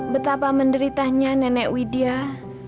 betapa menderitanya nenek widiah